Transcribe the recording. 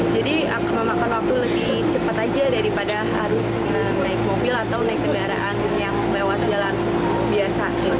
jadi aku memakan waktu lebih cepat aja daripada harus naik mobil atau naik kendaraan yang lewat jalan biasa